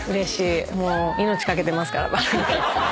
もう命懸けてますから。